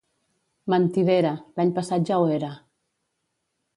—Mentidera! —L'any passat ja ho era!